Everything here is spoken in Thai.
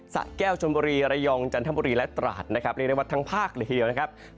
สะแก้วชนบุรีระยองจันทร์บุรีและตราสนะครับในวัดทางภาคเดียวนะครับ